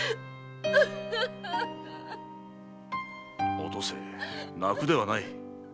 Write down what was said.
お登世泣くではない。